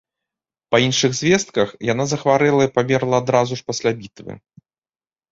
Па іншых звестках, яна захварэла і памерла адразу ж пасля бітвы.